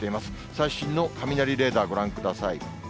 最新の雷レーダー、ご覧ください。